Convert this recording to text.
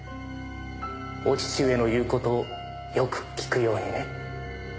お父上の言う事をよく聞くようにね。